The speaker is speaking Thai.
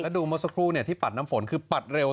ดูเมื่อสักครู่ที่ปัดน้ำฝนคือปัดเร็ว